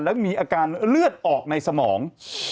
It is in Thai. แล้วก็มีอาการเลือดออกในสมอง